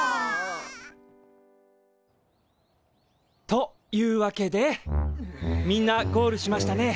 というわけでみんなゴールしましたね。